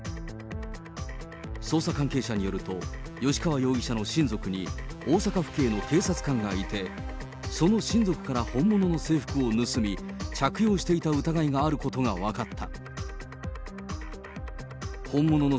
捜査関係者によると、吉川容疑者の親族に大阪府警の警察官がいて、その親族から本物の制服を盗み、着用していた疑いがあることが分かった。